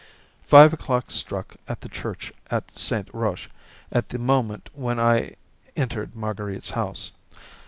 Five o'clock struck at the church of Saint Roch at the moment when I entered Marguerite's house.